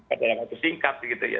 adalah waktu singkat